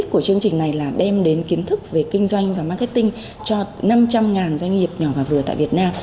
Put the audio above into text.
chương trình này là đem đến kiến thức về kinh doanh và marketing cho năm trăm linh doanh nghiệp nhỏ và vừa tại việt nam